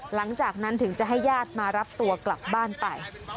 หลังจากนั้นถึงจะให้ญาติมารับตัวกลับบ้านไป